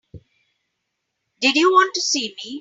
Did you want to see me?